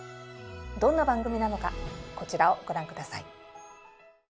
どんな番組なのかこちらをご覧下さい。